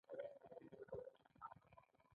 پنځه اویایم سوال د پلانګذارۍ اصلونه دي.